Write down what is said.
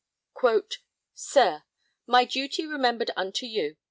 SIR, My duty remembered unto you.